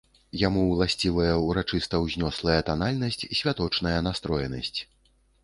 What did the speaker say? Яму ўласцівая ўрачыста-ўзнёслая танальнасць, святочная настроенасць.